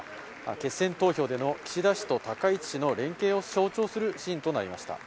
決選投票での岸田氏と高市氏の連携を象徴するシーンとなりました。